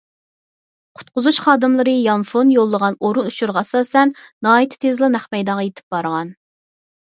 قۇتقۇزۇش خادىملىرى يانفون يوللىغان ئورۇن ئۇچۇرىغا ئاساسەن، ناھايىتى تېزلا نەق مەيدانغا يېتىپ بارغان.